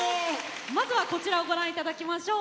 まずはこちらをご覧頂きましょう。